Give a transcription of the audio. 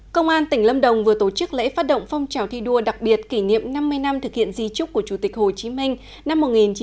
công an tỉnh lâm đồng vừa tổ chức lễ phát động phong trào thi đua đặc biệt kỷ niệm năm mươi năm thực hiện di trúc của chủ tịch hồ chí minh năm một nghìn chín trăm sáu mươi chín hai nghìn một mươi chín